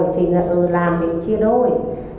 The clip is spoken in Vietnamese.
thì làm thì chia đôi